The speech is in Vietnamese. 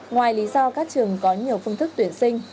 ngoài lý do các trường có nhiều phương thức tuyển sinh